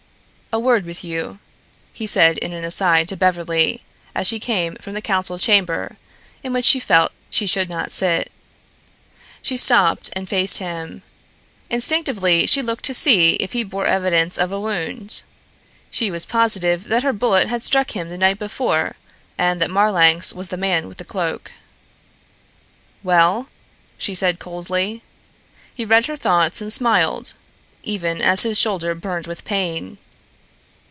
"A word with you," he said in an aside to Beverly, as she came from the council chamber, in which she felt she should not sit. She stopped and faced him. Instinctively she looked to see if he bore evidence of a wound. She was positive that her bullet had struck him the night before, and that Marlanx was the man with the cloak. "Well?" she said coldly. He read her thoughts and smiled, even as his shoulder burned with pain.